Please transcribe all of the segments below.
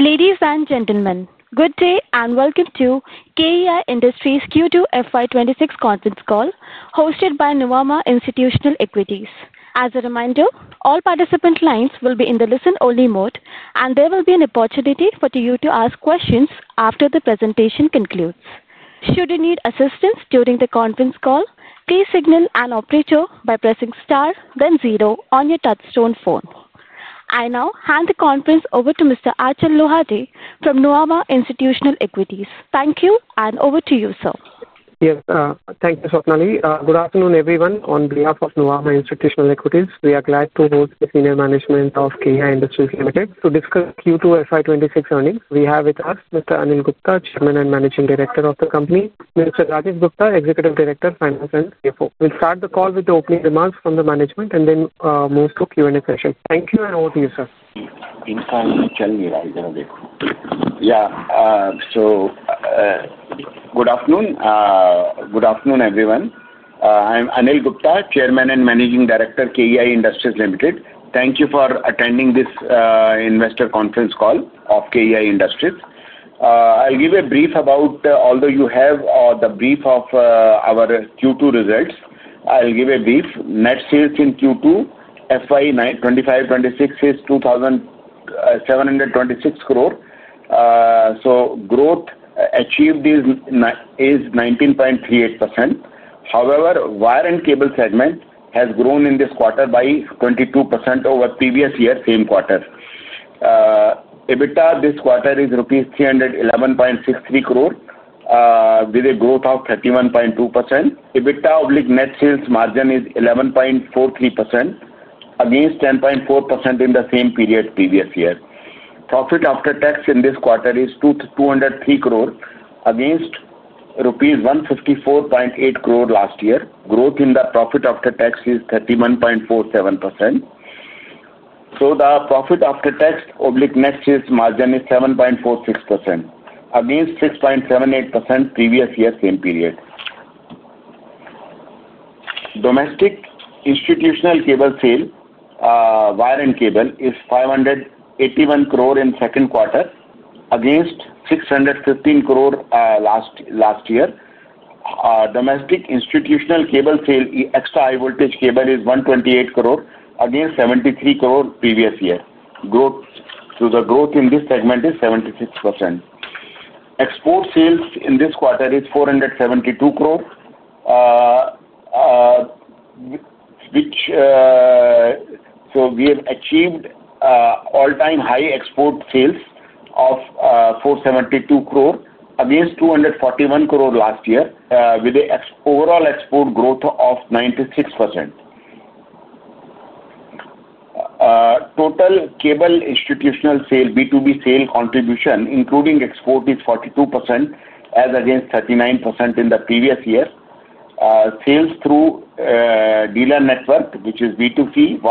Ladies and gentlemen, good day and welcome to KEI Industries Limited Q2 FY 2026 conference call hosted by Nuvama Institutional Equities. As a reminder, all participant lines will be in the listen-only mode, and there will be an opportunity for you to ask questions after the presentation concludes. Should you need assistance during the conference call, please signal an operator by pressing STAR, then zero on your touchstone phone. I now hand the conference over to Mr. Achal Lohade from Nuvama Institutional Equities. Thank you, and over to you, sir. Yes, thank you, Stanley. Good afternoon, everyone. On behalf of Nuvama Institutional Equities, we are glad to host the senior management of KEI Industries Limited to discuss Q2 FY 2026 earnings. We have with us Mr. Anil Gupta, Chairman and Managing Director of the company, and Mr. Rajeev Gupta, Executive Director, Finance and CFO. We'll start the call with the opening remarks from the management and then move to the Q&A session. Thank you, and over to you, sir. Good afternoon, everyone. I'm Anil Gupta, Chairman and Managing Director, KEI Industries Limited. Thank you for attending this investor conference call of KEI Industries. I'll give a brief about, although you have the brief of our Q2 results, I'll give a brief. Net sales in Q2 FY 2026 is INR 2,726 crore. Growth achieved is 19.38%. However, wire and cable segment has grown in this quarter by 22% over previous year, same quarter. EBITDA this quarter is rupees 311.63 crore, with a growth of 31.2%. EBITDA/Net Sales Margin is 11.43%, against 10.4% in the same period previous year. Profit after tax in this quarter is 203 crore, against rupees 154.8 crore last year. Growth in the profit after tax is 31.47%. The profit after tax/Net Sales Margin is 7.46%, against 6.78% previous year, same period. Domestic institutional cable sale, wire and cable is 581 crore in second quarter, against 615 crore last year. Domestic institutional cable sale, extra-high voltage cable is 128 crore, against 73 crore previous year. The growth in this segment is 76%. Export sales in this quarter is 472 crore, which, we have achieved all-time high export sales of 472 crore, against 241 crore last year, with an overall export growth of 96%. Total cable institutional sale, B2B sale contribution, including export, is 42%, as against 39% in the previous year. Sales through dealer network, which is B2C,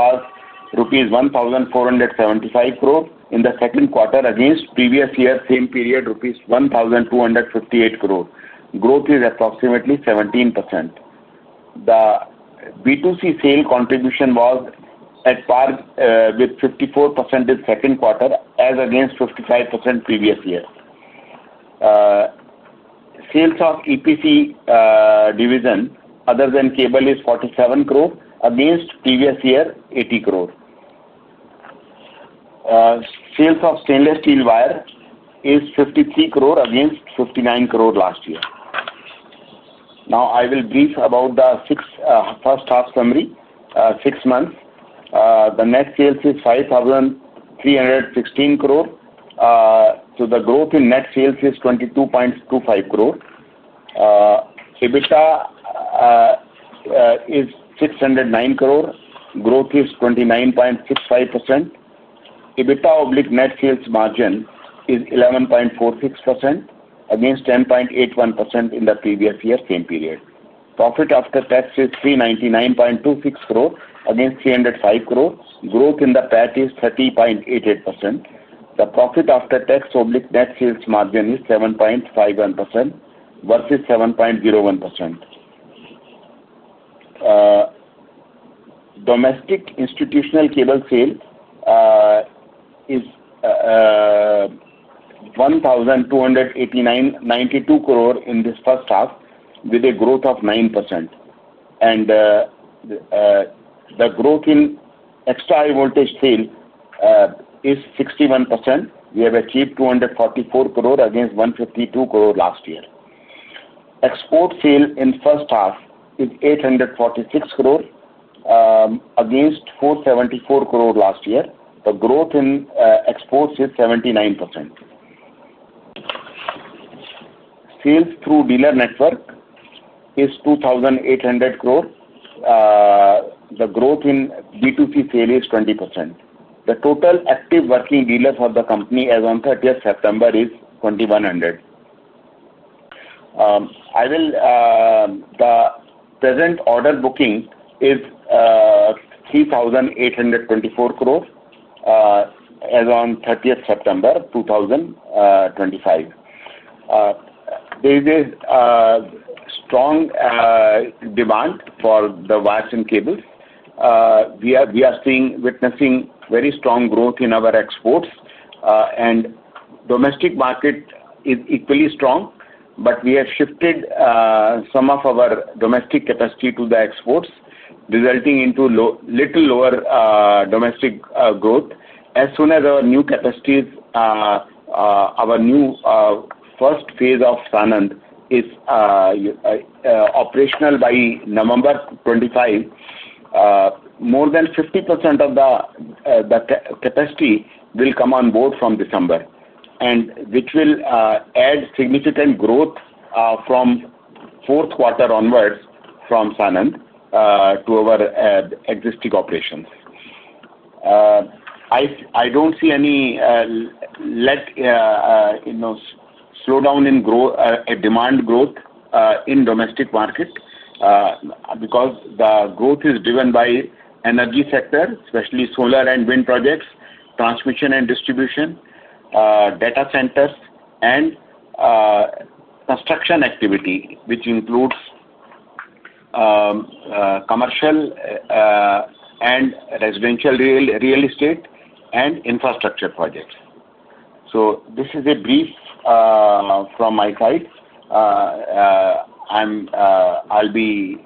was rupees 1,475 crore in the second quarter, against previous year, same period, rupees 1,258 crore. Growth is approximately 17%. The B2C sale contribution was at par with 54% in second quarter, as against 55% previous year. Sales of EPC division, other than cable, is 47 crore, against previous year, 80 crore. Sales of stainless steel wire is 53 crore, against 59 crore last year. Now, I will brief about the first half summary, six months. The net sales is 5,316 crore. The growth in net sales is 22.25%. EBITDA is 609 crore. Growth is 29.65%. EBITDA/Net Sales Margin is 11.46%, against 10.81% in the previous year, same period. Profit after tax is 399.26 crore, against 305 crore. Growth in the PAT is 30.88%. The profit after tax/Net Sales Margin is 7.51% versus 7.01%. Domestic institutional cable sale is 1,289.92 crore in this first half, with a growth of 9%. The growth in extra-high voltage sale is 61%. We have achieved 244 crore, against 152 crore last year. Export sale in first half is 846 crore, against 474 crore last year. The growth in exports is 79%. Sales through dealer network is 2,800 crore. The growth in B2C sale is 20%. The total active working dealers of the company as on 30th September is 2,100. The present order booking is 3,824 crore as on 30th September 2025. There is a strong demand for the wires and cables. We are seeing, witnessing very strong growth in our exports. The domestic market is equally strong, but we have shifted some of our domestic capacity to the exports, resulting into a little lower domestic growth. As soon as our new capacities, our new first phase of SANAN is operational by November 2025, more than 50% of the capacity will come on board from December, and which will add significant growth from fourth quarter onwards from SANAN to our existing operations. I don't see any slowdown in growth, demand growth in domestic markets because the growth is driven by the energy sector, especially solar and wind projects, transmission and distribution, data centers, and construction activity, which includes commercial and residential real estate and infrastructure projects. This is a brief from my side. I'll be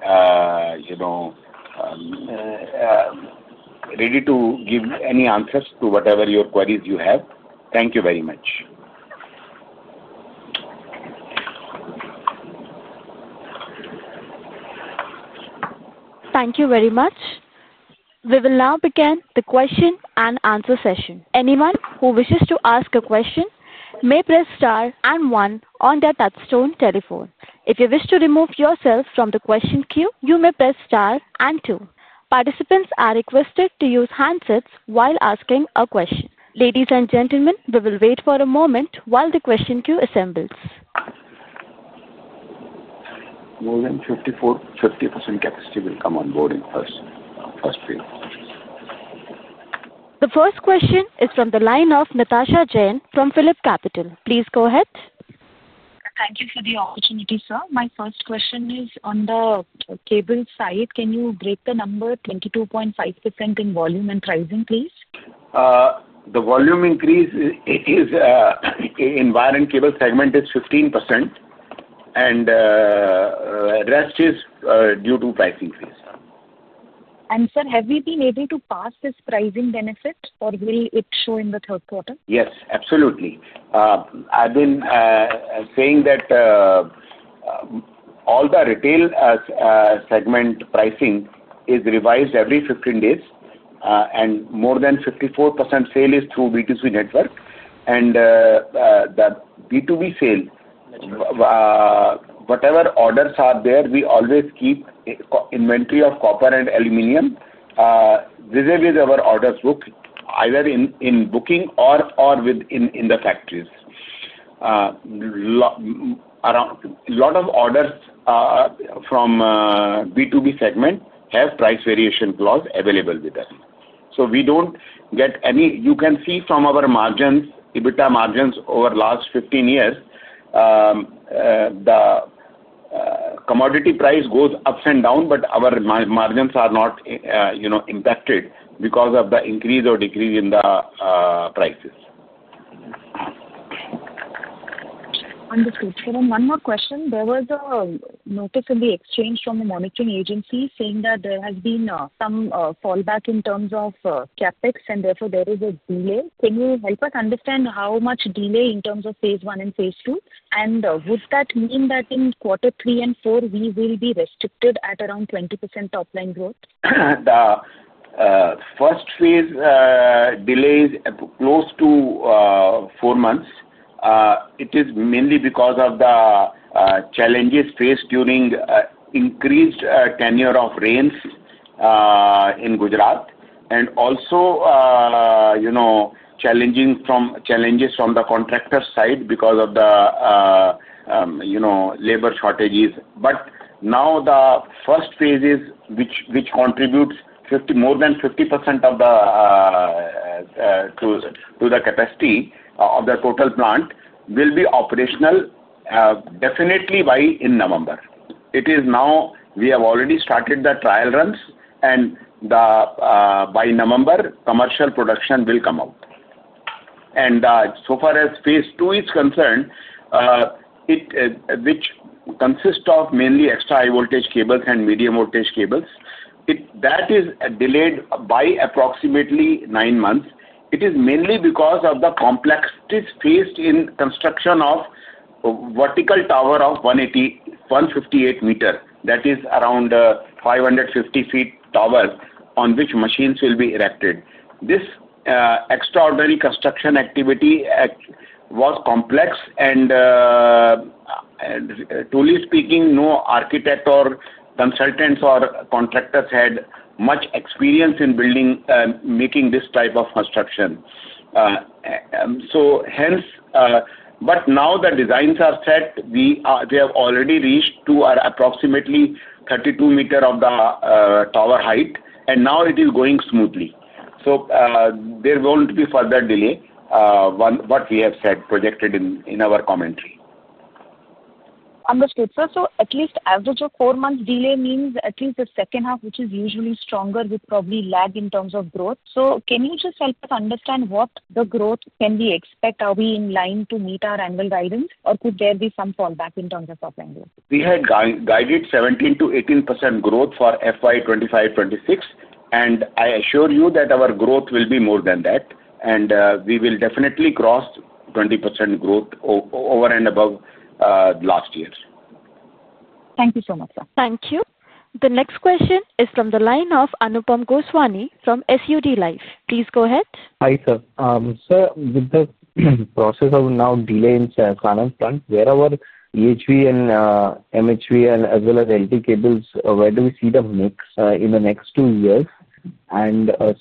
ready to give any answers to whatever your queries you have. Thank you very much. Thank you very much. We will now begin the question and answer session. Anyone who wishes to ask a question may press star and one on their touchstone telephone. If you wish to remove yourself from the question queue, you may press star and two. Participants are requested to use handsets while asking a question. Ladies and gentlemen, we will wait for a moment while the question queue assembles. More than 50% capacity will come on board in the first phase. The first question is from the line of Natasha Jain from PhilipCapital. Please go ahead. Thank you for the opportunity, sir. My first question is on the cable side. Can you break the number 22.5% in volume and pricing, please? The volume increase in wire and cable segment is 15%, and the rest is due to pricing phase. Sir, have we been able to pass this pricing benefit, or will it show in the third quarter? Yes, absolutely. I've been saying that all the retail segment pricing is revised every 15 days, and more than 54% sale is through B2C network. The B2B sale, whatever orders are there, we always keep inventory of copper and aluminum. Visible in our order book, either in booking or in the factories. A lot of orders from B2B segment have price variation clause available with us. We don't get any. You can see from our margins, EBITDA margins over the last 15 years, the commodity price goes ups and downs, but our margins are not impacted because of the increase or decrease in the prices. Understood. One more question. There was a notice in the exchange from the monitoring agency saying that there has been some fallback in terms of CapEx, and therefore, there is a delay. Can you help us understand how much delay in terms of phase I and phase II? Would that mean that in quarter three and four, we will be restricted at around 20% top line growth? The first phase delay is close to four months. It is mainly because of the challenges faced during increased tenure of rains in Gujarat and also challenges from the contractor's side because of the labor shortages. Now, the first phases, which contribute more than 50% of the capacity of the total plant, will be operational definitely by November. We have already started the trial runs, and by November, commercial production will come out. So far as phase II is concerned, which consists of mainly extra-high voltage cables and medium voltage cables, that is delayed by approximately nine months. It is mainly because of the complexities faced in construction of a vertical tower of 158 m. That is around 550 ft tower on which machines will be erected. This extraordinary construction activity was complex, and truly speaking, no architect or consultants or contractors had much experience in building, making this type of construction. Now the designs are set. They have already reached to approximately 32 m of the tower height, and now it is going smoothly. There won't be further delay what we have projected in our commentary. Understood, sir. At least the average of four months delay means at least the second half, which is usually stronger, would probably lag in terms of growth. Can you just help us understand what growth can we expect? Are we in line to meet our annual guidance, or could there be some fallback in terms of top line growth? We had guided 17%-18% growth for FY 2025/2026, and I assure you that our growth will be more than that. We will definitely cross 20% growth over and above last year. Thank you so much, sir. Thank you. The next question is from the line of Anupam Goswami from SUD Life. Please go ahead. Hi, sir. Sir, with the process of now delay in SANAN plant, where our EHV and MHV and as well as LT cables, where do we see the mix in the next two years?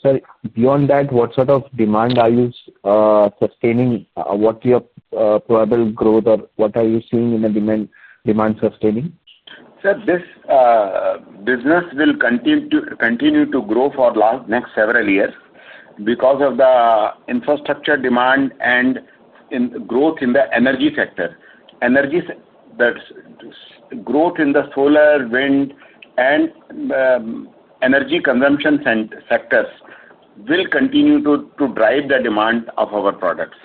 Sir, beyond that, what sort of demand are you sustaining? What's your probable growth, or what are you seeing in the demand sustaining? Sir, this business will continue to grow for the next several years because of the infrastructure demand and growth in the energy sector. Energy growth in the solar, wind, and energy consumption sectors will continue to drive the demand of our products.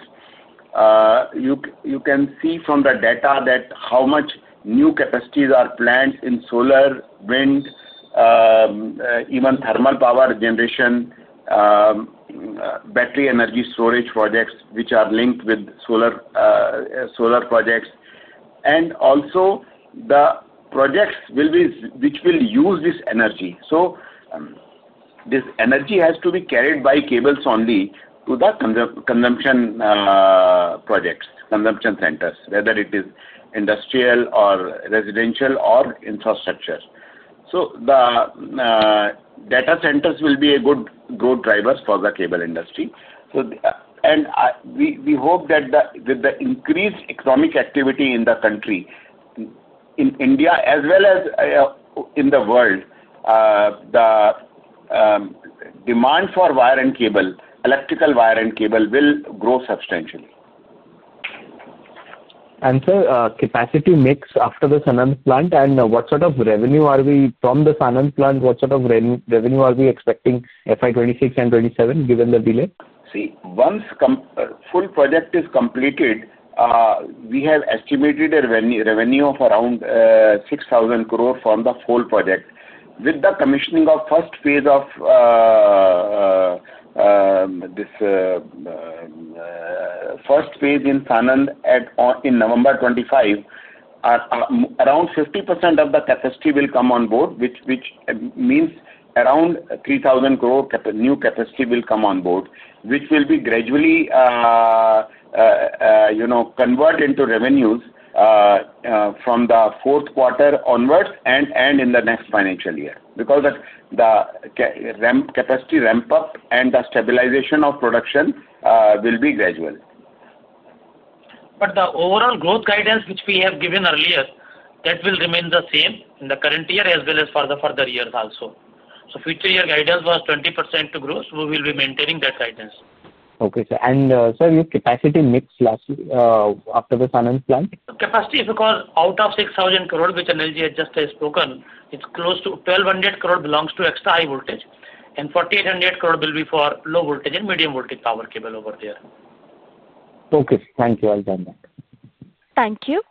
You can see from the data that how much new capacities are planned in solar, wind, even thermal power generation, battery energy storage projects, which are linked with solar projects. Also, the projects which will use this energy. This energy has to be carried by cables only to the consumption projects, consumption centers, whether it is industrial or residential or infrastructure. The data centers will be a good growth driver for the cable industry. We hope that with the increased economic activity in the country, in India, as well as in the world, the demand for wire and cable, electrical wire and cable, will grow substantially. Sir, capacity mix after the SANAN plant, and what sort of revenue are we from the SANAN plant? What sort of revenue are we expecting FY 2026 and 2027, given the delay? See, once the full project is completed, we have estimated a revenue of around 6,000 crore from the full project, with the commissioning of the first phase of this first phase in SANAN in November 2025. Around 50% of the capacity will come on board, which means around 3,000 crore new capacity will come on board, which will be gradually converted into revenues from the fourth quarter onwards and in the next financial year because the capacity ramp-up and the stabilization of production will be gradual. The overall growth guidance, which we have given earlier, will remain the same in the current year as well as for the further years also. Future year guidance was 20% to grow, so we will be maintaining that guidance. Okay, sir. Sir, your capacity mix after the SANAN plant? Capacity is because out of 6,000 crore, which Anil just has spoken, it's close to 1,200 crore belongs to extra-high voltage, and 4,800 crore will be for low voltage and medium voltage power cable over there. Okay, thank you. I'll send that. Thank you.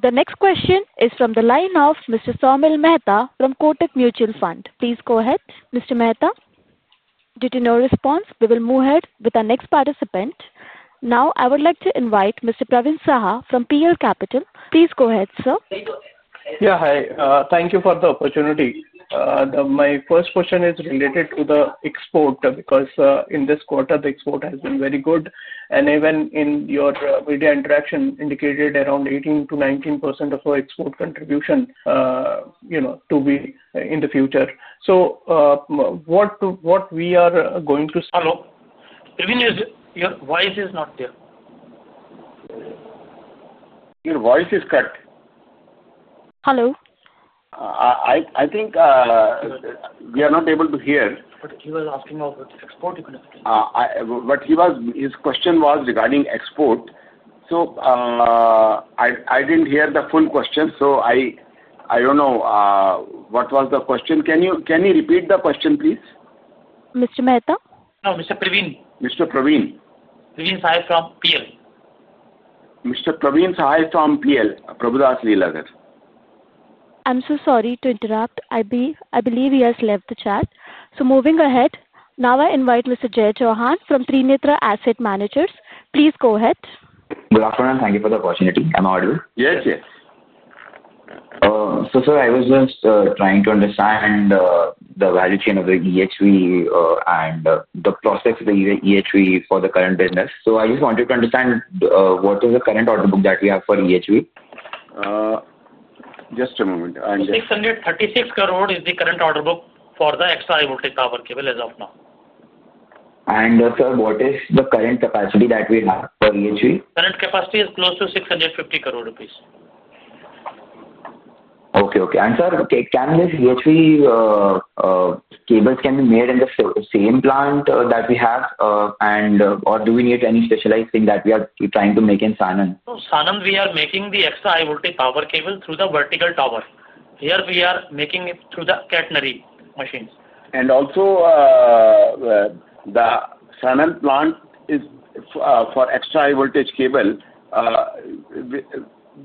The next question is from the line of Mr. Saumil Mehta from Kotak Mutual Fund. Please go ahead, Mr. Mehta. Due to no response, we will move ahead with our next participant. Now, I would like to invite Mr. Praveen Sahar from PL Capital. Please go ahead, sir. Yeah, hi. Thank you for the opportunity. My first question is related to the export because in this quarter, the export has been very good. Even in your media interaction, you indicated around 18%-19% of our export contribution to be in the future. What we are going to. Hello. The thing is, your voice is not there. Your voice is cut. Hello? I think we are not able to hear. He was asking about export. His question was regarding export. I didn't hear the full question, so I don't know what was the question. Can you repeat the question, please? Mr. Mehta? No, Mr. Praveen. Mr. Praveen. Praveen Sahar from PL. Mr. Praveen Sahar from PL, Prabhudas Lilladher, sir. I'm sorry to interrupt. I believe he has left the chat. Moving ahead, now I invite Mr. Jay Chauhan from Trinetra Asset Managers. Please go ahead. Good afternoon. Thank you for the opportunity. Am I audible? Yes, yes. Sir, I was just trying to understand the value chain of the EHV and the prospects of the EHV for the current business. I just wanted to understand what is the current order book that we have for EHV? Just a moment. 636 crore is the current order book for the extra-high voltage cable as of now. Sir, what is the current capacity that we have for EHV? Current capacity is close to 650 crore rupees. Okay. Can this extra-high voltage cables be made in the same plant that we have, and do we need any specialized thing that we are trying to make in SANAN? At SANAN, we are making the extra-high voltage power cable through the vertical tower. Here, we are making it through the catenary machines. The SANAN plant is for extra-high voltage cable and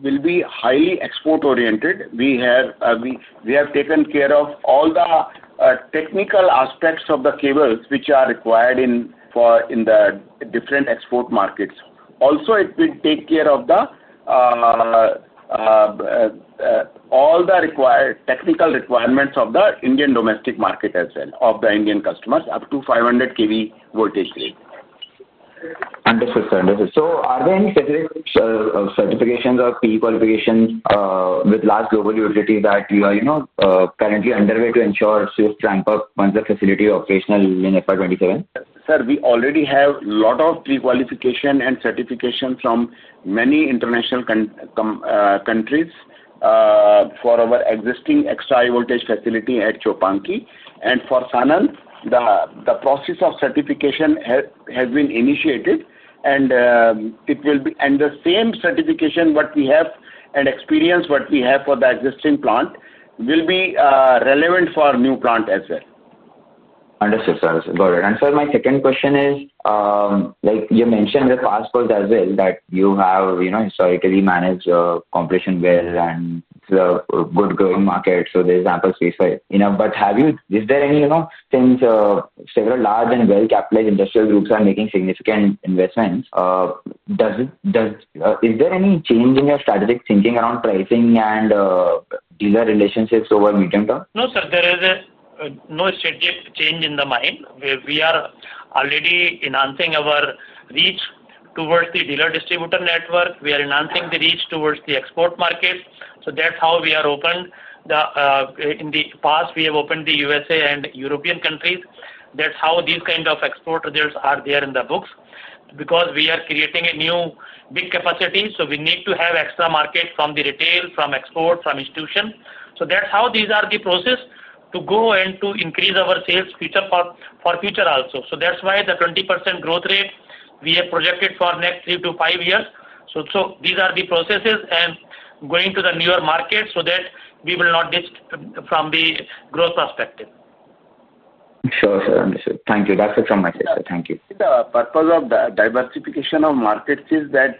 will be highly export-oriented. We have taken care of all the technical aspects of the cables which are required in the different export markets. It will also take care of all the technical requirements of the Indian domestic market as well, of the Indian customers up to 500 kV voltage rate. Understood, sir. Understood. Are there any specific certifications or pre-qualifications with large global utilities that you are currently underway to ensure suits ramp up once the facility operational in FY 2027? Sir, we already have a lot of pre-qualification and certification from many international countries for our existing extra-high voltage facility at Chopanki. For SANAN, the process of certification has been initiated. The same certification we have and experience we have for the existing plant will be relevant for the new plant as well. Understood, sir. Got it. My second question is, like you mentioned the past growth as well, that you have historically managed your competition well, and it's a good growing market. There's ample space for it. Have you, is there any, since several large and well-capitalized industrial groups are making significant investments, is there any change in your strategic thinking around pricing and dealer relationships over the medium term? No, sir. There is no strategic change in the mind. We are already enhancing our reach towards the dealer/distribution network. We are enhancing the reach towards the export market. That's how we are open. In the past, we have opened the U.S. and European countries. That's how these kinds of export results are there in the books because we are creating a new big capacity. We need to have extra market from the retail, from export, from institutions. That's how these are the processes to go and to increase our sales for future also. That's why the 20% growth rate we have projected for the next three to five years. These are the processes and going to the newer markets so that we will not miss from the growth perspective. Sure, sir. Understood. Thank you. That's it from my side, sir. Thank you. The purpose of the diversification of markets is that,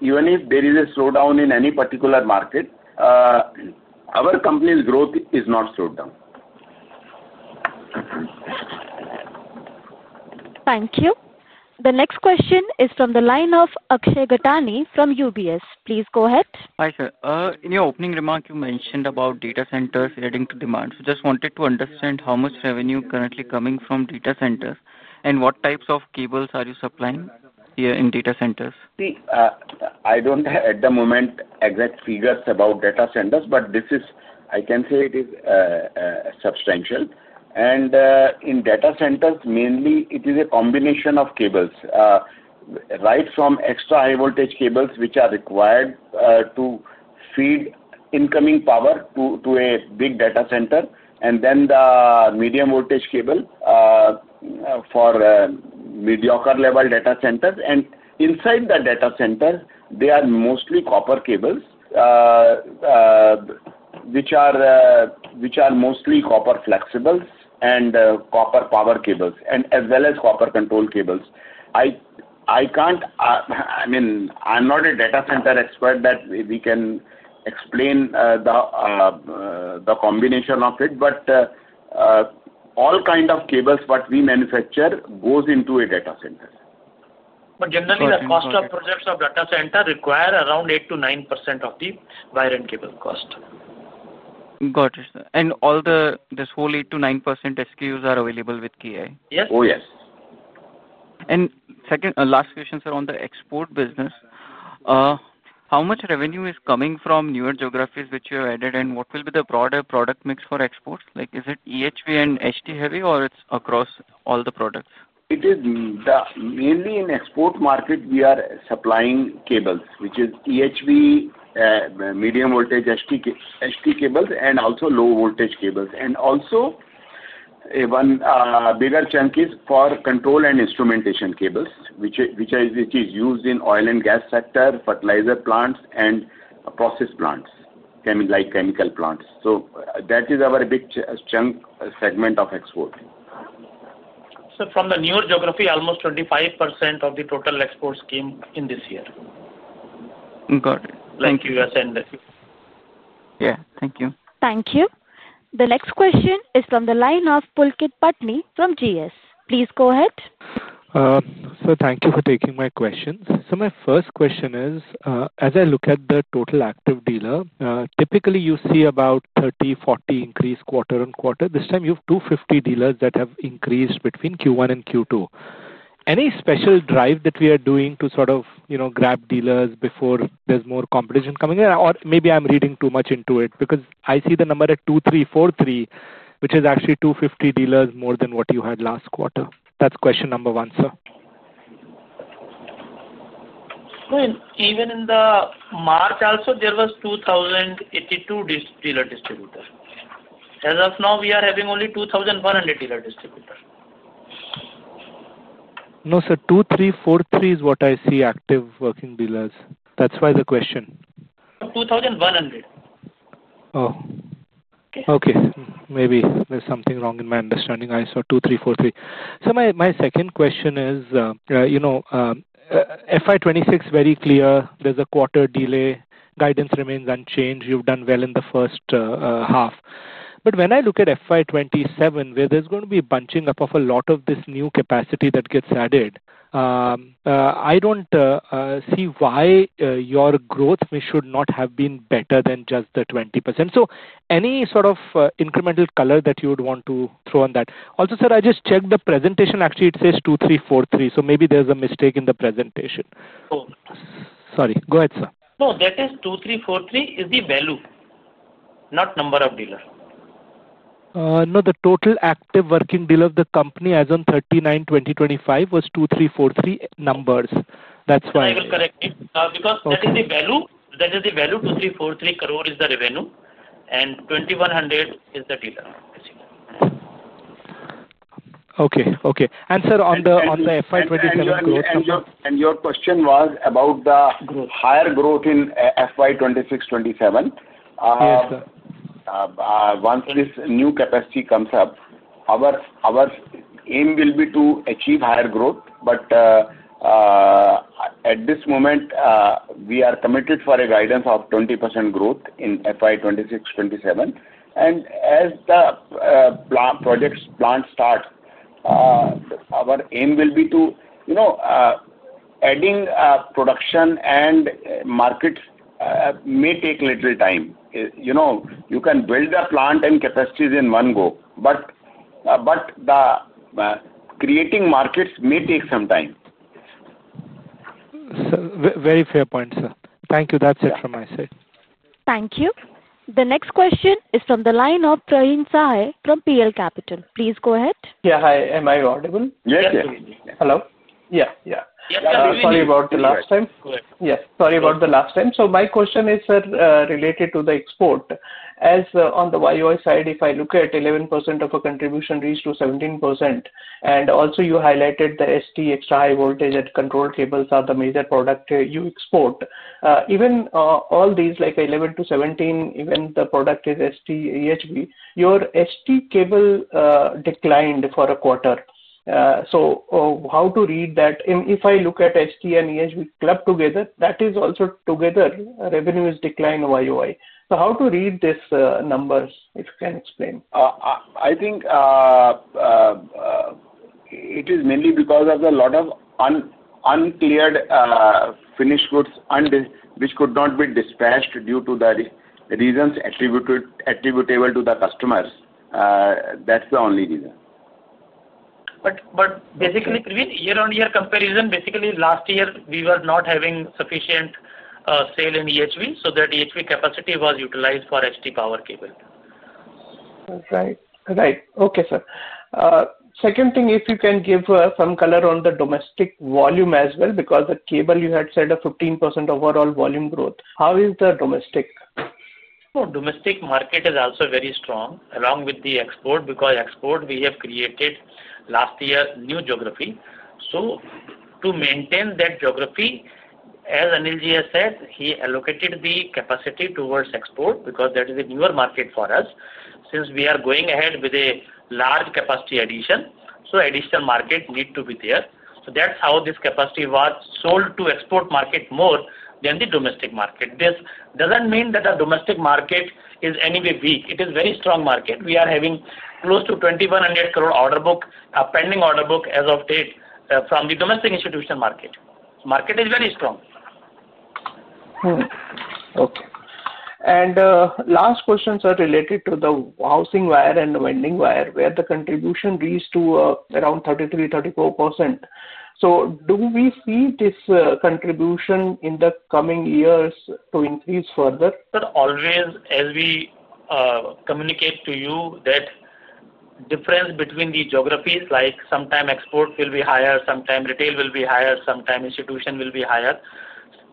even if there is a slowdown in any particular market, our company's growth is not slowed down. Thank you. The next question is from the line of Akshay Gattani from UBS. Please go ahead. Hi, sir. In your opening remark, you mentioned about data centers adding to demand. I just wanted to understand how much revenue currently coming from data centers and what types of cables are you supplying here in data centers? See, I don't have at the moment exact figures about data centers, but this is, I can say it is substantial. In data centers, mainly, it is a combination of cables, right, from extra-high voltage cables which are required to feed incoming power to a big data center, and then the medium voltage cable for mediocre level data centers. Inside the data centers, they are mostly copper cables, which are mostly copper flexibles and copper power cables, as well as copper control cables. I can't, I mean, I'm not a data center expert that we can explain the combination of it, but all kinds of cables what we manufacture go into a data center. Generally, the cost of projects of data centers require around 8%-9% of the wire and cable cost. Got it, sir. Are all these whole 8 to 9% SKUs available with KEI Industries Limited? Yes. Oh, yes. Second, last question, sir, on the export business, how much revenue is coming from newer geographies which you have added, and what will be the broader product mix for exports? Like, is it EHV and HT heavy, or it's across all the products? It is mainly in the export market. We are supplying cables, which is extra-high voltage, medium voltage, high-tension cables, and also low-tension cables. A bigger chunk is for control and instrumentation cables, which is used in the oil and gas sector, fertilizer plants, and process plants, like chemical plants. That is our big chunk segment of export. From the newer geography, almost 25% of the total exports came in this year. Got it. Thank you. Thank you. Yeah, thank you. Thank you. The next question is from the line of Pulkit Patni from GS. Please go ahead. Sir, thank you for taking my questions. My first question is, as I look at the total active dealer, typically, you see about 30, 40 increase quarter-on-quarter. This time, you have 250 dealers that have increased between Q1 and Q2. Any special drive that we are doing to sort of grab dealers before there's more competition coming in? Maybe I'm reading too much into it because I see the number at 2,343, which is actually 250 dealers more than what you had last quarter. That's question number one, sir. Sir, even in March also, there were 2,082 dealer/distributors. As of now, we are having only 2,400 dealer/distributors. No, sir. 2,343 is what I see active working dealers. That's why the question. 2,100. Okay. Maybe there's something wrong in my understanding. I saw 2,343. My second question is, you know, FY 2026, very clear, there's a quarter delay. Guidance remains unchanged. You've done well in the first half. When I look at FY 2027, where there's going to be a bunching up of a lot of this new capacity that gets added, I don't see why your growth should not have been better than just the 20%. Any sort of incremental color that you would want to throw on that? Also, sir, I just checked the presentation. Actually, it says 2,343. Maybe there's a mistake in the presentation. Oh. Sorry, go ahead, sir. No, that is 2,343 is the value, not number of dealer. No, the total active working dealer of the company as on 31/03/2025 was 2,343 numbers. That's why. I will correct you because that is the value. That is the value. 2,343 crore is the revenue, and 2,100 crore is the dealer, basically. Okay. Okay. Sir, on the FY 2027 growth number. Your question was about the higher growth in FY 2026-2027. Yes, sir. Once this new capacity comes up, our aim will be to achieve higher growth. At this moment, we are committed for a guidance of 20% growth in FY 2026-2027. As the projects plant start, our aim will be to, you know, adding production and markets may take little time. You know, you can build a plant and capacities in one go, but creating markets may take some time. Very fair point, sir. Thank you. That's it from my side. Thank you. The next question is from the line of Praveen Sahar from PL Capital. Please go ahead. Yeah, hi. Am I audible? Yes, yes. Hello? Yeah, yeah. Sorry about the last time. Go ahead. Yes. Sorry about the last time. My question is, sir, related to the export. As on the YoY side, if I look at 11% of our contribution reached to 17%, and also, you highlighted the extra-high voltage and control cables are the major product you export. Even all these, like 11%-17%, even the product is extra-high voltage, your cable declined for a quarter. How to read that? If I look at extra-high voltage and control cables clubbed together, that is also together, revenue is declined YoY. How to read this number, if you can explain? I think it is mainly because of a lot of uncleared finished goods, which could not be dispatched due to the reasons attributable to the customers. That's the only reason. Basically, Praveen, year-on-year comparison, last year, we were not having sufficient sale in EHV, so that EHV capacity was utilized for ST power cable. Right. Right. Okay, sir. Second thing, if you can give some color on the domestic volume as well because the cable, you had said, a 15% overall volume growth. How is the domestic? Oh, domestic market is also very strong along with the export because export, we have created last year new geography. To maintain that geography, as Anil Gupta has said, he allocated the capacity towards export because that is a newer market for us since we are going ahead with a large capacity addition. Additional market need to be there. That's how this capacity was sold to export market more than the domestic market. This doesn't mean that our domestic market is anyway weak. It is a very strong market. We are having close to 2,100 crore order book, a pending order book as of date from the domestic institution market. Market is very strong. Okay. Last question, sir, related to the housing wire and the winding wire, where the contribution reached to around 33%-34%. Do we see this contribution in the coming years to increase further? Sir, always, as we communicate to you, the difference between the geographies, like sometimes export will be higher, sometimes retail will be higher, sometimes institution will be higher.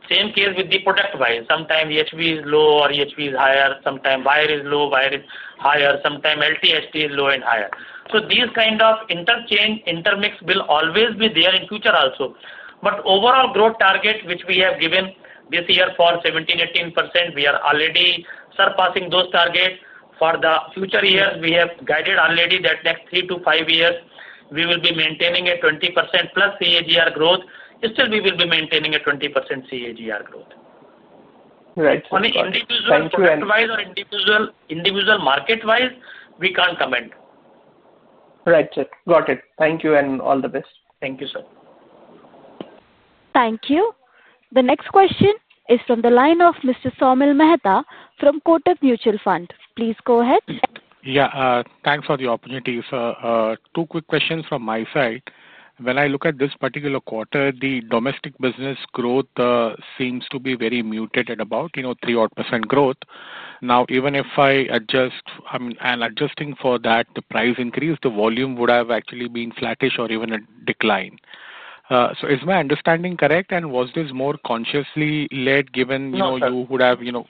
The same case with the product-wise. Sometimes EHV is low or EHV is higher. Sometimes wire is low, wire is higher. Sometimes LT, ST is low and higher. These kinds of interchange, intermix will always be there in future also. Overall growth target which we have given this year for 17%, 18%, we are already surpassing those targets. For the future years, we have guided already that next three to five years, we will be maintaining a 20%+ CAGR growth. Still, we will be maintaining a 20% CAGR growth. Right. On the individual market-wise, we can't comment. Right, sir. Got it. Thank you and all the best. Thank you, sir. Thank you. The next question is from the line of Mr. Saumil Mehta from Kotak Mutual Fund. Please go ahead. Yeah. Thanks for the opportunity, sir. Two quick questions from my side. When I look at this particular quarter, the domestic business growth seems to be very muted at about 3% growth. Now, even if I adjust, I mean, and adjusting for that, the price increase, the volume would have actually been flattish or even a decline. Is my understanding correct, and was this more consciously led given you would have, you know?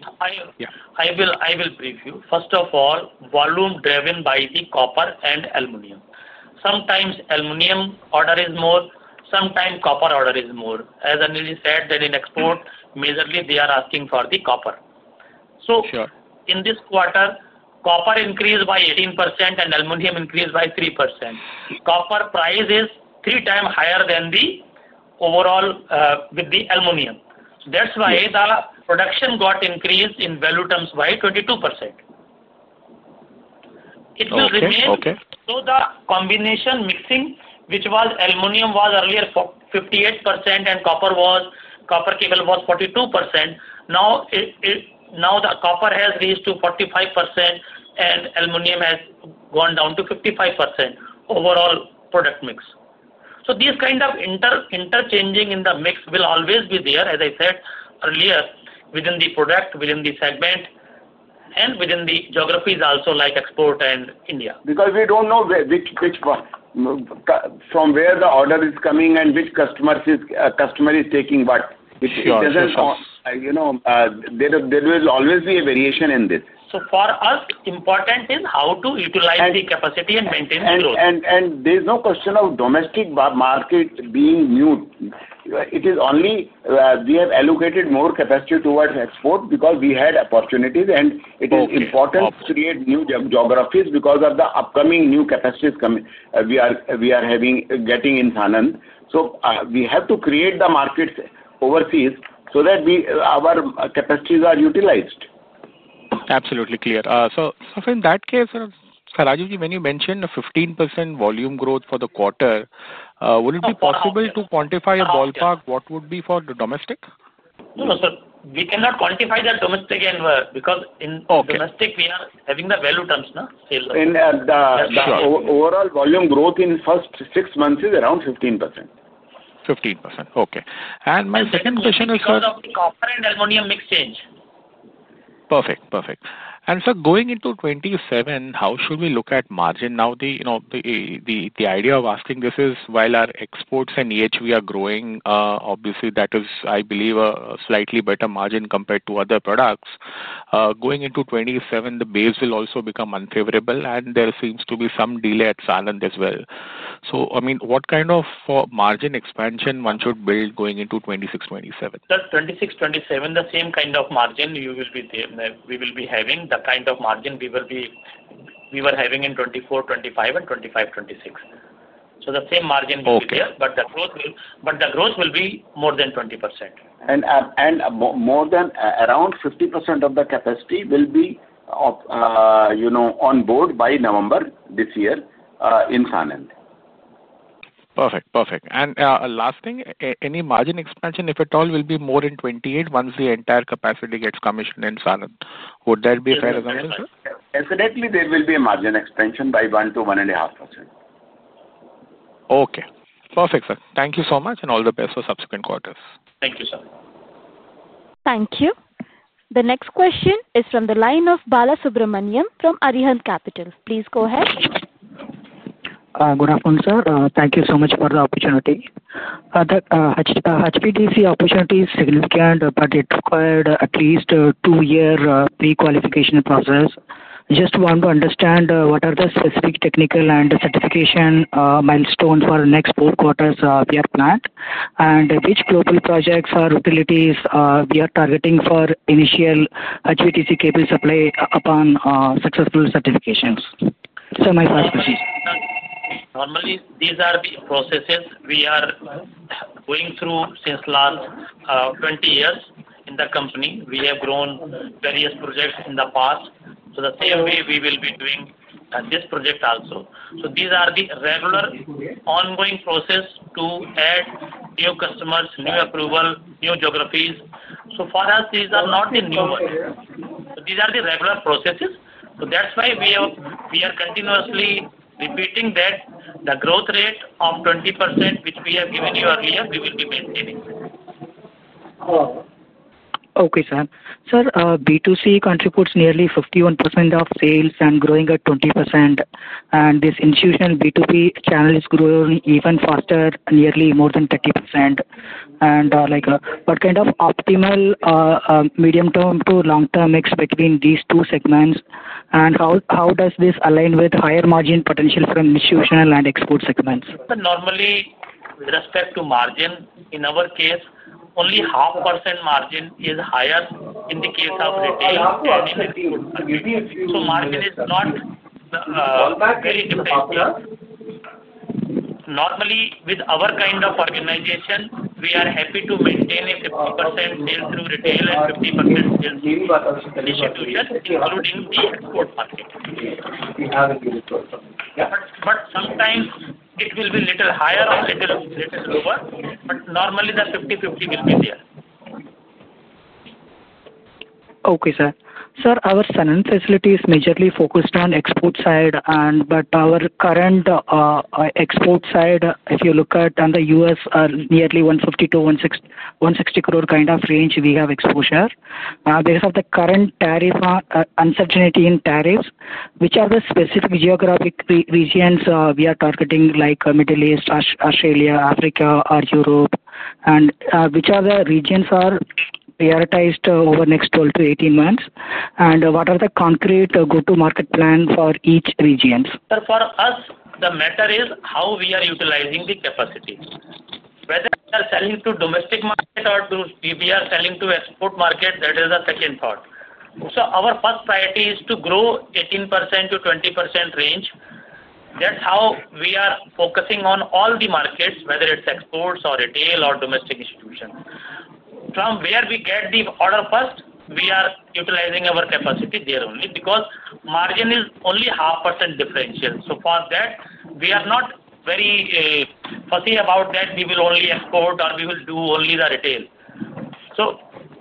I will brief you. First of all, volume driven by the copper and aluminum. Sometimes aluminum order is more, sometimes copper order is more. As Anil Gupta said, that in export, majorly they are asking for the copper. In this quarter, copper increased by 18% and aluminum increased by 3%. Copper price is 3x higher than the overall with the aluminum. That's why the production got increased in value terms by 22%. It will remain. Okay. Okay. The combination mixing, which was aluminum was earlier 58% and copper was, copper cable was 42%. Now, the copper has reached to 45% and aluminum has gone down to 55% overall product mix. This kind of interchanging in the mix will always be there, as I said earlier, within the product, within the segment, and within the geographies also like export and India. Because we don't know which one from where the order is coming and which customer is taking what. It doesn't cost. There will always be a variation in this. For us, important is how to utilize the capacity and maintain the growth. There is no question of domestic market being mute. It is only we have allocated more capacity towards export because we had opportunities, and it is important to create new geographies because of the upcoming new capacities we are having in SANAN. We have to create the markets overseas so that our capacities are utilized. Absolutely clear. In that case, when you mentioned a 15% volume growth for the quarter, would it be possible to quantify a ballpark what would be for the domestic? No, no, sir. We cannot quantify the domestic anywhere because in domestic, we are having the value terms now. Overall volume growth in the first six months is around 15%. 15%. Okay. My second question is, sir. The copper and aluminum mix change. Perfect. Perfect. Sir, going into 2027, how should we look at margin? The idea of asking this is while our exports and EHV are growing, obviously, that is, I believe, a slightly better margin compared to other products. Going into 2027, the base will also become unfavorable, and there seems to be some delay at SANAN as well. I mean, what kind of margin expansion should one build going into 2026, 2027? Sir, 2026, 2027, the same kind of margin will be there, we will be having. The kind of margin we were having in 2024, 2025, and 2025, 2026. The same margin will be there, but the growth will be more than 20%. More than around 50% of the capacity will be on board by November this year in SANAN. Perfect. Perfect. Last thing, any margin expansion, if at all, will be more in 2028 once the entire capacity gets commissioned in SANAN? Would that be a fair assumption, sir? Definitely, there will be a margin expansion by 1%-1.5%. Okay. Perfect, sir. Thank you so much, and all the best for subsequent quarters. Thank you, sir. Thank you. The next question is from the line of Balasubramaniam from Arihant Capital. Please go ahead. Good afternoon, sir. Thank you so much for the opportunity. The HPDC opportunity is significant, but it required at least a two-year pre-qualification process. I just want to understand what are the specific technical and certification milestones for the next four quarters we have planned, and which global projects or utilities we are targeting for initial HPDC cable supply upon successful certifications. Sir, my first question is. Normally, these are the processes we are going through since the last 20 years in the company. We have grown various projects in the past. The same way we will be doing this project also. These are the regular ongoing processes to add new customers, new approval, new geographies. For us, these are not the new ones. These are the regular processes. That's why we are continuously repeating that the growth rate of 20%, which we have given you earlier, we will be maintaining. Okay, sir. Sir, B2C contributes nearly 51% of sales and growing at 20%. This institutional B2B channel is growing even faster, nearly more than 30%. What kind of optimal medium-term to long-term mix between these two segments? How does this align with higher margin potential from institutional and export segments? Sir, normally, with respect to margin, in our case, only 0.5% margin is higher in the case of retail. So margin is not really different, sir. Normally, with our kind of organization, we are happy to maintain a 50% sales through retail and 50% sales through institutions, including the export market. Sometimes it will be a little higher or a little lower, but normally, the 50/50 will be there. Okay, sir. Sir, our SANAN facility is majorly focused on export side, but our current export side, if you look at in the U.S., are nearly 152 crore-160 crore kind of range we have exposure. Now, based on the current uncertainty in tariffs, which are the specific geographic regions we are targeting, like Middle East, Australia, Africa, or Europe? Which other regions are prioritized over the next 12 to 18 months? What are the concrete go-to-market plans for each region? Sir, for us, the matter is how we are utilizing the capacity. Whether we are selling to domestic market or we are selling to export market, that is the second part. Our first priority is to grow 18%-20% range. That's how we are focusing on all the markets, whether it's exports or retail or domestic institutions. From where we get the order first, we are utilizing our capacity there only because margin is only 0.5% differential. For that, we are not very fussy about that. We will only export or we will do only the retail.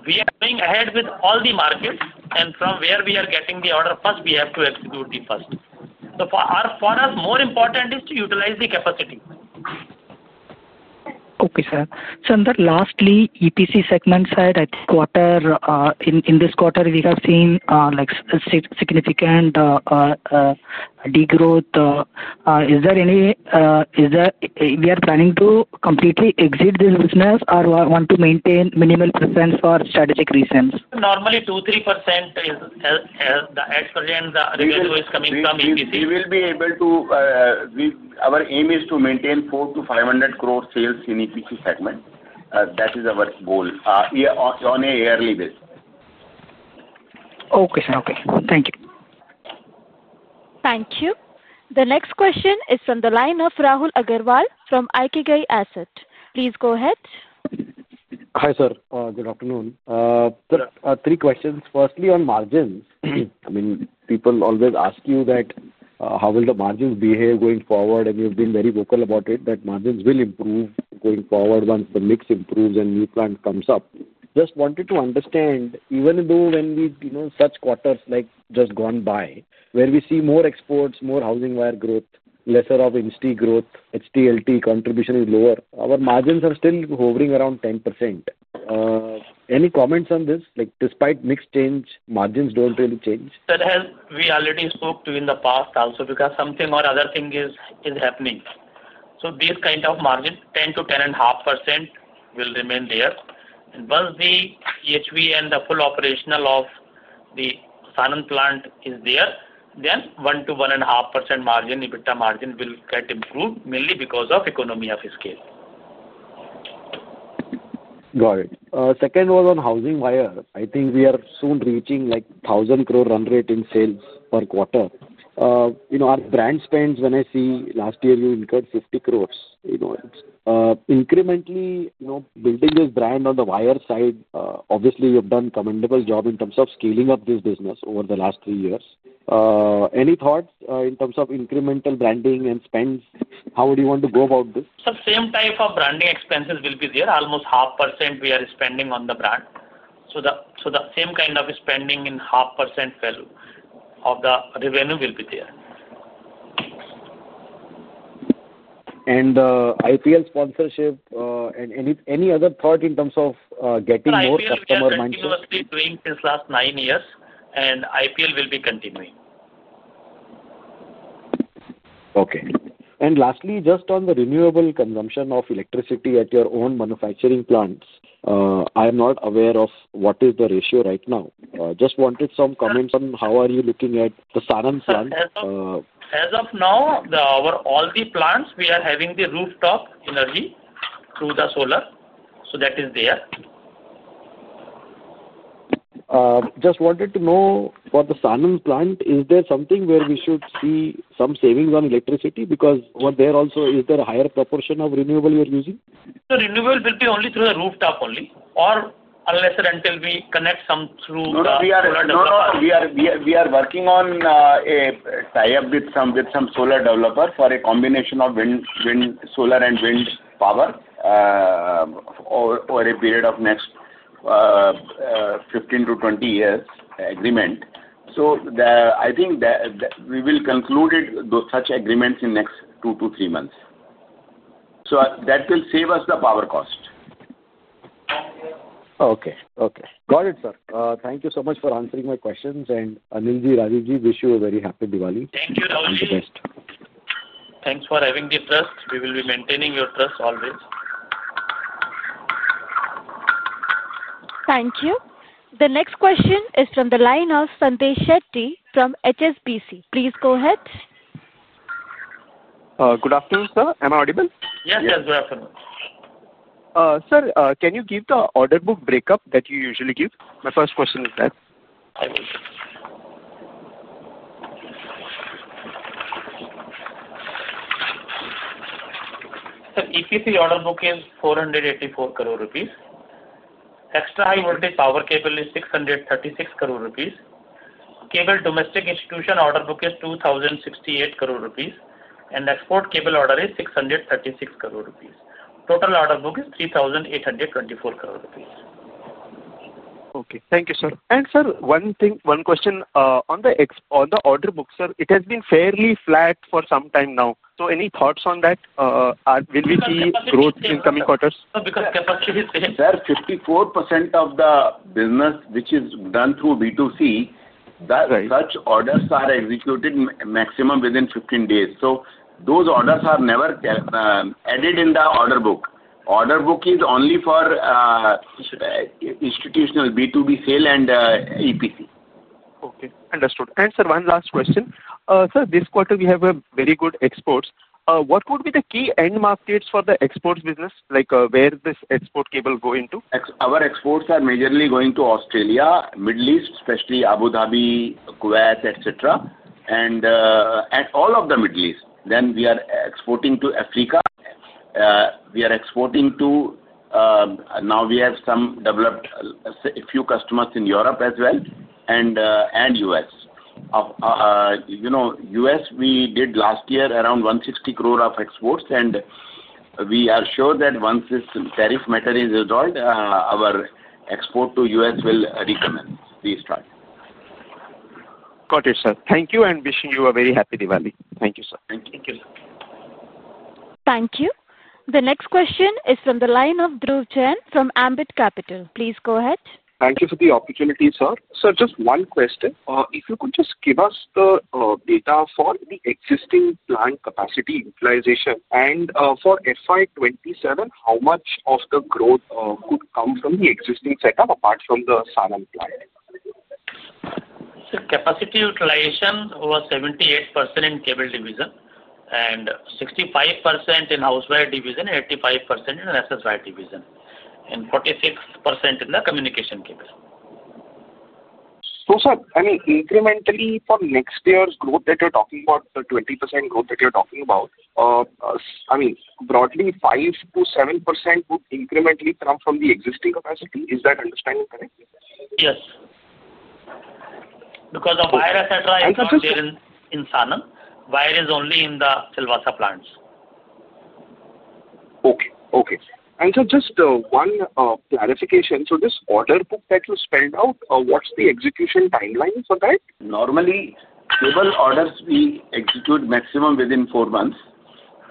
We are going ahead with all the markets. From where we are getting the order first, we have to execute the first. For us, more important is to utilize the capacity. Okay, sir. Sir, and lastly, EPC segment side, I think in this quarter, we have seen significant degrowth. Is there any, are we planning to completely exit this business or want to maintain minimal percent for strategic reasons? Normally, 2%-3% is the exposure and the revenue is coming from EPC. Our aim is to maintain 400 crore-500 crore sales in the EPC segment. That is our goal on a yearly basis. Okay, sir. Okay. Thank you. Thank you. The next question is from the line of Rahul Agarwal from Ikigai Asset. Please go ahead. Hi, sir. Good afternoon. Sir, three questions. Firstly, on margins, I mean, people always ask you that how will the margins behave going forward? You've been very vocal about it, that margins will improve going forward once the mix improves and new plant comes up. Just wanted to understand, even though when we've such quarters like just gone by, where we see more exports, more housing wire growth, lesser of NST growth, HTLT contribution is lower, our margins are still hovering around 10%. Any comments on this? Like, despite mix change, margins don't really change. Sir, as we already spoke to in the past also, because something or other thing is happening, this kind of margin, 10%-10.5%, will remain there. Once the EHV and the full operational of the SANAN plant is there, then 1%-1.5% margin, EBITDA margin will get improved mainly because of economy of scale. Got it. Second was on housing wire. I think we are soon reaching 1,000 crore run rate in sales per quarter. You know, our brand spends, when I see last year, you incurred 50 crore. Incrementally, you know, building this brand on the wire side, obviously, you have done a commendable job in terms of scaling up this business over the last three years. Any thoughts in terms of incremental branding and spend? How would you want to go about this? Sir, same type of branding expenses will be there. Almost 0.5% we are spending on the brand. The same kind of spending in 0.5% of the revenue will be there. IPL sponsorship, and any other thought in terms of getting more customer mindset? We are continuously doing since last nine years, and IPL sponsorship will be continuing. Okay. Lastly, just on the renewable consumption of electricity at your own manufacturing plants, I am not aware of what is the ratio right now. Just wanted some comments on how you are looking at the SANAN plant? As of now, over all the plants, we are having the rooftop energy through the solar. That is there. Just wanted to know, for the SANAN plant, is there something where we should see some savings on electricity? Because over there also, is there a higher proportion of renewable you're using? Sir, renewable will be only through the rooftop only, or unless and until we connect some through the solar developer. We are working on a tie-up with some solar developers for a combination of wind, solar, and wind power for a period of next 15 years-20 years agreement. I think that we will conclude those such agreements in the next two to three months. That will save us the power cost. Okay. Okay. Got it, sir. Thank you so much for answering my questions. Anil Gupta, Rajeev Gupta, wish you a very happy Diwali. Thank you, Rahul. The best. Thanks for having the trust. We will be maintaining your trust always. Thank you. The next question is from the line of Sachin Shetty from HSBC. Please go ahead. Good afternoon, sir. Am I audible? Yes, yes. Good afternoon. Sir, can you give the order book breakup that you usually give? My first question is that. I will. Sir, EPC order book is INR 484 crore. Extra-high voltage power cable is INR 636 crore. Cable domestic institutional order book is INR 2,068 crore. Export cable order is INR 636 crore. Total order book is INR 3,824 crore. Okay. Thank you, sir. One thing, one question. On the order book, sir, it has been fairly flat for some time now. Any thoughts on that? Will we see growth in the coming quarters? Sir, because capacity is there. Sir, 54% of the business, which is done through B2C, such orders are executed maximum within 15 days. Those orders are never added in the order book. Order book is only for institutional B2B sale and EPC. Okay. Understood. Sir, one last question. This quarter, we have very good exports. What would be the key end markets for the exports business? Like, where does export cable go into? Our exports are majorly going to Australia, Middle East, especially Abu Dhabi, Kuwait, and all of the Middle East. We are exporting to Africa. We are exporting to now we have developed a few customers in Europe as well and U.S. You know, U.S., we did last year around 160 crore of exports. We are sure that once this tariff matter is resolved, our export to U.S. will recommence this time. Got it, sir. Thank you, and wishing you a very happy Diwali. Thank you, sir. Thank you. Thank you, sir. Thank you. The next question is from the line of Dhruv Chen from Ambit Capital. Please go ahead. Thank you for the opportunity, sir. Sir, just one question. If you could just give us the data for the existing plant capacity utilization and for FY 2027, how much of the growth could come from the existing setup apart from the SANAN plant? Sir, capacity utilization was 78% in cable division and 65% in houseware division, 85% in access wire division, and 46% in the communication cable. Sir, I mean, incrementally for next year's growth that you're talking about, the 20% growth that you're talking about, broadly, 5%-7% would incrementally come from the existing capacity. Is that understanding correct? Yes. Because wire, etc., is in SANAN. Wire is only in the Silvasa plants. Okay. Okay. Sir, just one clarification. This order book that you spelled out, what's the execution timeline for that? Normally, cable orders we execute maximum within four months.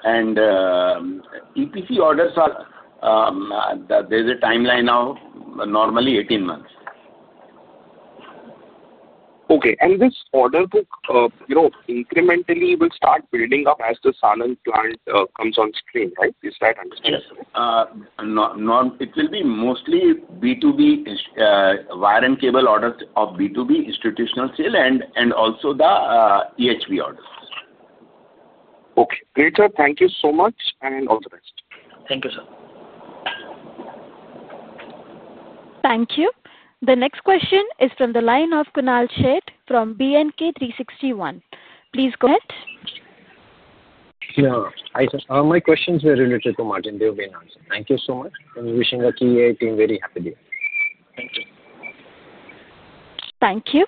EPC orders are, there's a timeline now, normally 18 months. Okay. This order book, you know, incrementally will start building up as the SANAN plant comes on screen, right? Is that understanding? Yes, sir. It will be mostly B2B wire and cable orders of B2B institutional sale and also the extra-high voltage (EHV) orders. Okay. Great, sir. Thank you so much and all the best. Thank you, sir. Thank you. The next question is from the line of Kunal Sheth from B&K 361. Please go ahead. Yeah. Hi, sir. My questions are related to Nuvama Institutional Equities. Sir, thank you so much, and wishing the KEI team a very happy Diwali. Thank you. Thank you.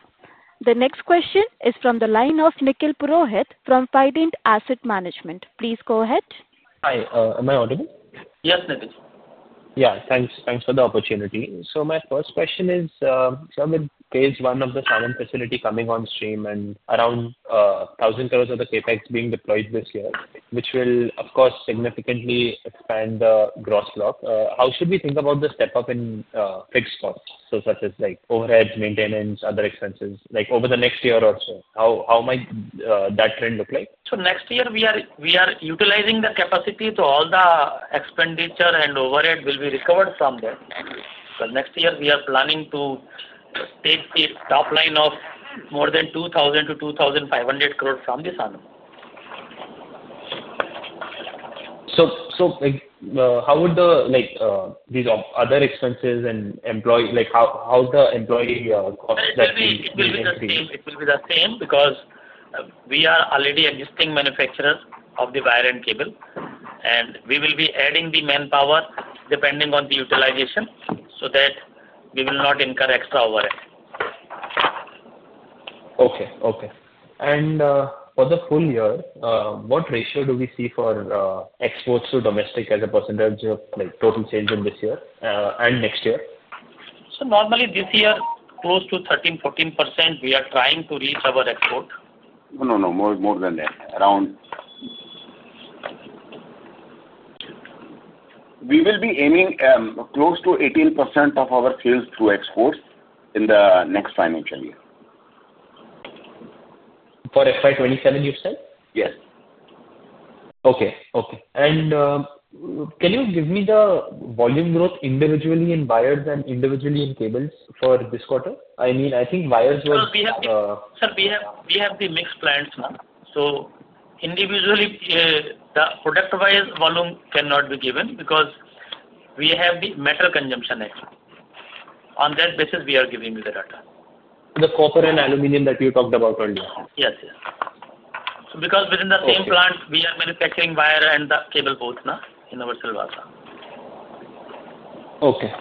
The next question is from the line of Nikhil Purohit from Fident Asset Management. Please go ahead. Hi, am I audible? Yes, Nikhil. Yeah. Thanks. Thanks for the opportunity. My first question is, sir, with phase one of the SANAN facility coming on stream and around 1,000 crore of the CapEx being deployed this year, which will, of course, significantly expand the gross loss, how should we think about the step-up in fixed costs, such as overheads, maintenance, and other expenses? Over the next year or so, how might that trend look like? Next year, we are utilizing the capacity. All the expenditure and overhead will be recovered from that. Next year, we are planning to take the top line of more than 2,000 crore-2,500 crore from the SANAN. How would these other expenses and employee, like, how would the employee costs be increased? It will be the same. It will be the same because we are already a distinct manufacturer of the wire and cable, and we will be adding the manpower depending on the utilization so that we will not incur extra overhead. Okay. For the full year, what ratio do we see for exports to domestic as a percentage of total change in this year and next year? Normally, this year, close to 13%-14% we are trying to reach our export. No, no. More than that. We will be aiming close to 18% of our sales through exports in the next financial year. For FY 2027, you said? Yes. Okay. Okay. Can you give me the volume growth individually in wires and individually in cables for this quarter? I mean, I think wires was. Sir, we have the mixed plants now. Individually, the product-wise volume cannot be given because we have the metal consumption actually. On that basis, we are giving you the data. The copper and aluminum that you talked about earlier? Yes, yes. Because within the same plant, we are manufacturing wire and the cable both now in our Silvasa. Okay.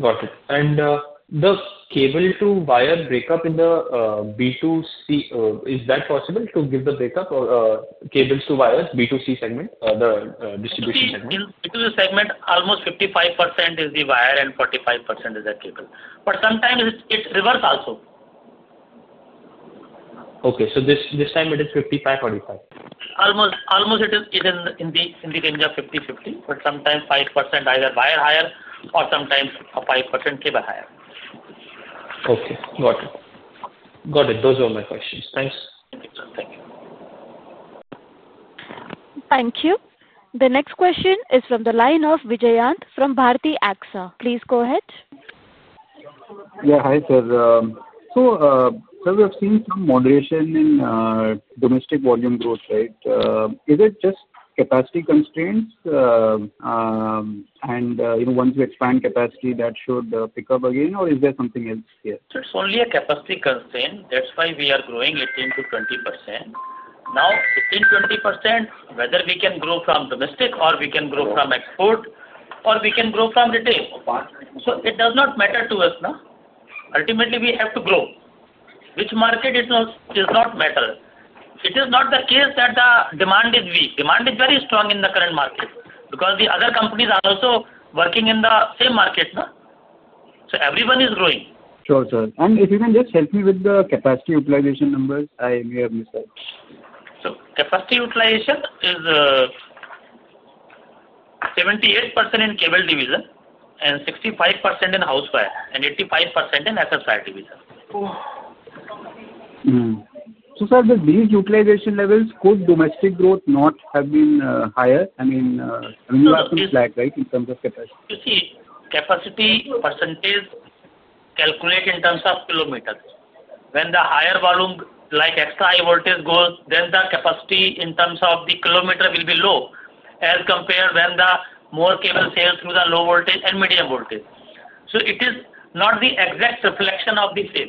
Got it. Is the cable to wire breakup in the B2C, is that possible to give the breakup or cables to wires, B2C segment, the distribution segment? B2C segment, almost 55% is the wire and 45% is the cable. Sometimes it's reverse also. Okay. This time, it is 55%, 45%? Almost. Almost it is in the range of 50/50, but sometimes 5% either wire higher or sometimes 5% cable higher. Okay. Got it. Got it. Those are all my questions. Thanks. Thank you, sir. Thank you. Thank you. The next question is from the line of Vijayant from Bharti AXA. Please go ahead. Hi, sir. Sir, we have seen some moderation in domestic volume growth, right? Is it just capacity constraints? You know, once we expand capacity, that should pick up again, or is there something else here? Sir, it's only a capacity constraint. That's why we are growing 15%-20%. Now, 15%-20%, whether we can grow from domestic or we can grow from export or we can grow from retail, it does not matter to us now. Ultimately, we have to grow. Which market, it does not matter. It is not the case that the demand is weak. Demand is very strong in the current market because the other companies are also working in the same market now. Everyone is growing. Sure. If you can just help me with the capacity utilization numbers, I may have missed that. Capacity utilization is 78% in cable division, 65% in houseware, and 85% in access wire division. Sir, the utilization levels, could domestic growth not have been higher? I mean, you are still flat, right, in terms of capacity? You see, capacity percentage is calculated in terms of kilometers. When the higher volume, like extra-high voltage goes, then the capacity in terms of the kilometer will be low as compared to when more cable sales go through the low-tension and medium voltage. It is not the exact reflection of the sale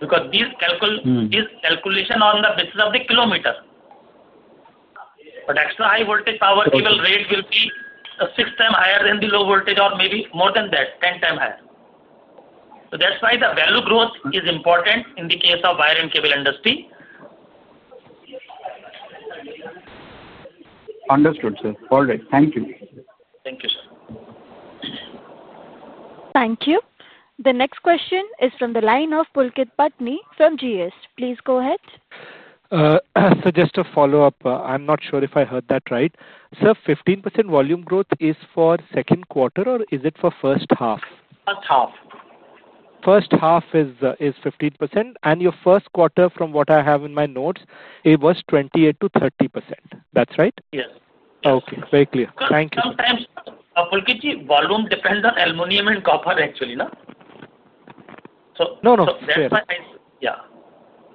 because this calculation is on the basis of the kilometer. Extra-high voltage power cable rate will be six times higher than the low-tension or maybe more than that, 10x higher. That's why the value growth is important in the case of the wire and cable industry. Understood, sir. All right, thank you. Thank you, sir. Thank you. The next question is from the line of Pulkit Patni from GS. Please go ahead. Sir, just a follow-up. I'm not sure if I heard that right. Sir, 15% volume growth is for second quarter, or is it for first half? First half. First half is 15%. Your first quarter, from what I have in my notes, it was 28%-30%. That's right? Yes. Okay. Very clear. Thank you. Pulkit G, volume depends on aluminum and copper, actually, no? No, no. That's why I, yeah.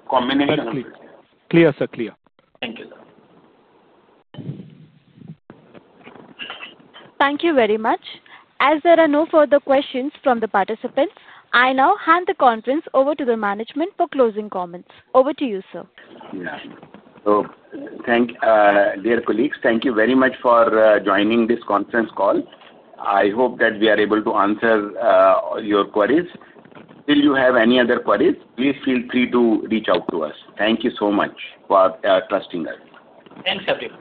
Combination. Completely. Clear, sir. Clear. Thank you, sir. Thank you very much. As there are no further questions from the participants, I now hand the conference over to the management for closing comments. Over to you, sir. Thank you, dear colleagues. Thank you very much for joining this conference call. I hope that we are able to answer your queries. If you have any other queries, please feel free to reach out to us. Thank you so much for trusting us. Thanks, everyone.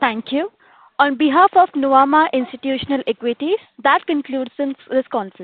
Thank you. On behalf of Nuvama Institutional Equities, that concludes this conference.